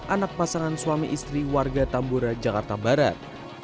anak pasangan suami istri warga tambora jakarta barat